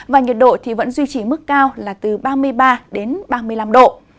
và nhiệt độ vẫn duy trì mức cao là từ ba mươi ba đến ba mươi năm độ